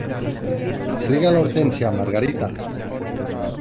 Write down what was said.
Riega la hortensia, Margarita.